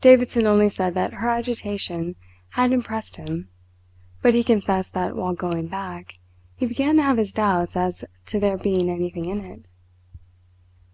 Davidson only said that her agitation had impressed him; but he confessed that while going back, he began to have his doubts as to there being anything in it.